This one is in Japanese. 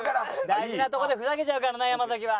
大事なとこでふざけちゃうからな山崎は。